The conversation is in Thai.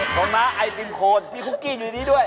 ของน้าไอติมโคนพี่คุกกี้อยู่ในนี้ด้วย